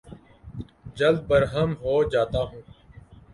جلد برہم ہو جاتا ہوں